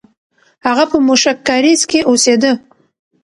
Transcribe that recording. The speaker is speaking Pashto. هغه په موشک کارېز کې اوسېده.